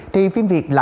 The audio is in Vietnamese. thì phim việt lạc